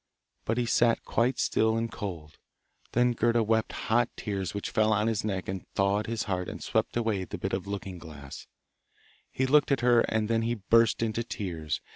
But he sat quite still and cold. Then Gerda wept hot tears which fell on his neck and thawed his heart and swept away the bit of the looking glass. He looked at her and then he burst into tears.